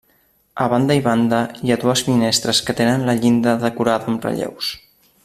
A banda i banda hi ha dues finestres que tenen la llinda decorada amb relleus.